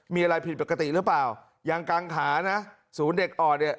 มีอะไรผิดปกติหรือเปล่ายังกังขานะศูนย์เด็กอ่อนเนี่ย